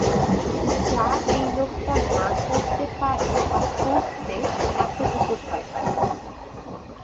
যা এই লোকটা না করতে পারে, বা করতে এতটুকু ভয় পায়।